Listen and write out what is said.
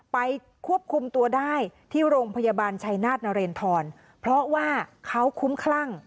ไปควบคุมตัวได้ที่โรงพยาบาลชัยนาธนเรนทรเพราะว่าเขาคุ้มคลั่ง